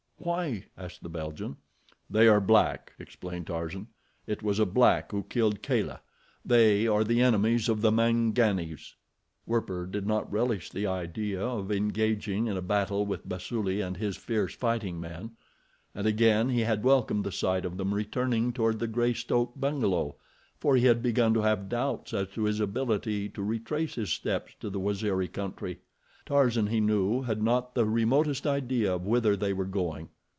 "Why?" asked the Belgian. "They are black," explained Tarzan. "It was a black who killed Kala. They are the enemies of the Manganis." Werper did not relish the idea of engaging in a battle with Basuli and his fierce fighting men. And, again, he had welcomed the sight of them returning toward the Greystoke bungalow, for he had begun to have doubts as to his ability to retrace his steps to the Waziri country. Tarzan, he knew, had not the remotest idea of whither they were going.